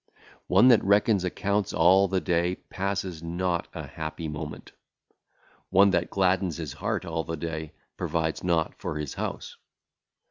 One that reckoneth accounts all the day passeth not an happy moment. One that gladdeneth his heart all the day provideth not for his house.